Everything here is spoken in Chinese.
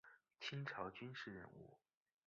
清朝军事人物。